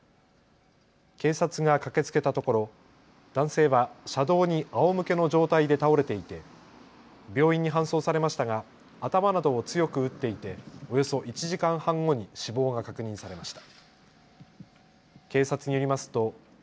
警察が駆けつけたところ男性は車道にあおむけの状態で倒れていて病院に搬送されましたが頭などを強く打っていておよそ１時間半後に死亡が確認されました。